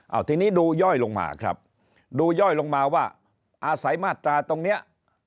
เอาทีนี้ดูย่อยลงมาครับดูย่อยลงมาว่าอาศัยมาตราตรงนี้